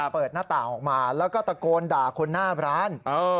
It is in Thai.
เปิดหน้าต่างออกมาแล้วก็ตะโกนด่าคนหน้าร้าน